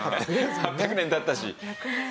８００年経ったし。